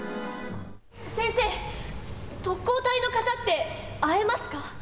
先生、特攻隊の方って会えますか。